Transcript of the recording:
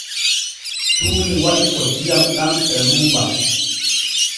Tuuni waɗi ko diyam ɗam e luuɓa.